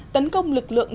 tấn công lực lượng